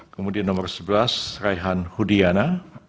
kemudian nomor sebelas raihan hudiana